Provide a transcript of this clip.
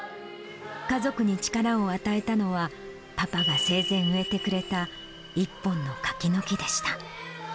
家族に力を与えたのは、パパが生前植えてくれた１本の柿の木でした。